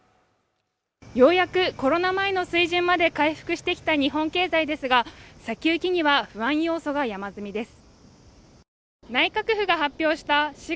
ようやくコロナ前の水準まで回復してきた日本経済ですが先行きには不安要素が山積みです